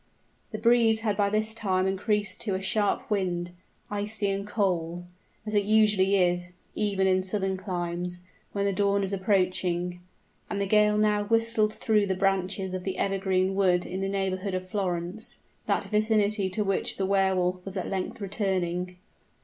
The breeze had by this time increased to a sharp wind, icy and cold, as it usually is, even in southern climes, when the dawn is approaching; and the gale now whistled through the branches of the evergreen wood in the neighborhood of Florence that vicinity to which the Wehr Wolf was at length returning!